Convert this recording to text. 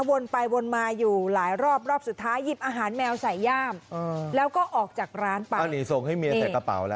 วนไปวนมาอยู่หลายรอบรอบสุดท้ายหยิบอาหารแมวใส่ย่ามแล้วก็ออกจากร้านไปอันนี้ส่งให้เมียใส่กระเป๋าแล้ว